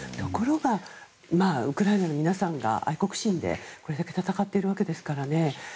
ところが、ウクライナの皆さんが愛国心でこれだけ戦っているわけですからね。